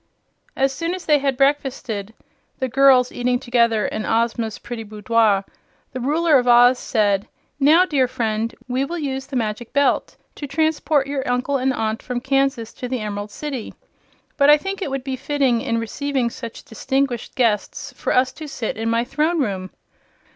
As soon as they had breakfasted the girls eating together in Ozma's pretty boudoir the Ruler of Oz said: "Now, dear friend, we will use the Magic Belt to transport your uncle and aunt from Kansas to the Emerald City. But I think it would be fitting, in receiving such distinguished guests, for us to sit in my Throne Room."